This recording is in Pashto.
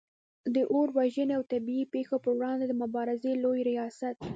د اور وژنې او طبعې پیښو پر وړاندې د مبارزې لوي ریاست